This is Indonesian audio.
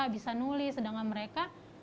bisa nulis sedangkan mereka